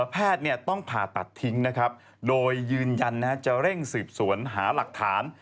แพทย์ต้องผ่าตัดทิ้งนะครับโดยยืนยันจะเร่งสืบสวนหาหลักฐาน